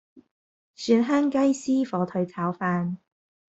蒜香雞絲火腿炒飯